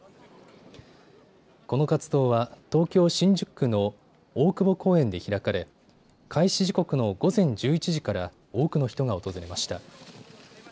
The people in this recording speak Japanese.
この活動は東京・新宿区の大久保公園で開かれ開始時刻の午前１１時から多くの人が訪れました。